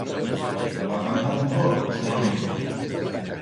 A tanta pudor, no me i foi.